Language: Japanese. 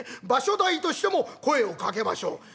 場所代としても声をかけましょう』」。